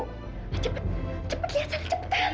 cepat cepat lihat sana cepetan